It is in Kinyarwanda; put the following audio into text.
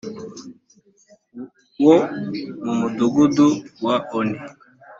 wo mu mudugudu wa oni